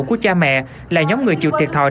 của cha mẹ là nhóm người chịu thiệt thòi